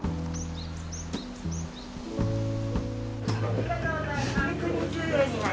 ・ありがとうございます。